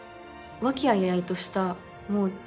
和気あいあいとしたチーム感。